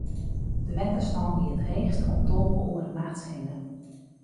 De wetterstân wie it heechst om tolve oere nachts hinne.